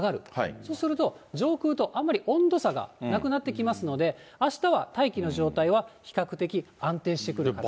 そうすると、上空とあんまり温度差がなくなってきますので、あしたは大気の状態は比較的安定してくる形。